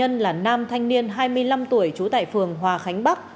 nạn nhân là nam thanh niên hai mươi năm tuổi trú tại phường hòa khánh bắc